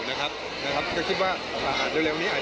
เราก็ให้อภัยคนอยู่แล้วนะ